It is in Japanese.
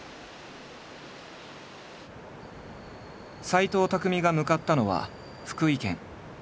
斎藤工が向かったのは福井県。